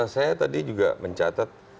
saya tadi juga mencatat